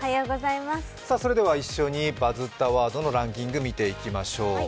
一緒に「バズったワード」のランキングを見ていきましょう。